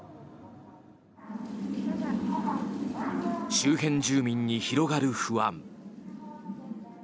周辺住民に広がる不安。